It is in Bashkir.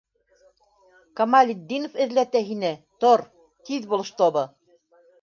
Камалетдинов эҙләтә һине, тор, тиҙ бул штобы!